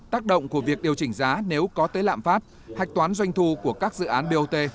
tác động của việc điều chỉnh giá nếu có tới lạm phát hạch toán doanh thu của các dự án bot